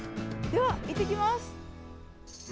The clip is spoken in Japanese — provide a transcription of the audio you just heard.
では、行ってきます。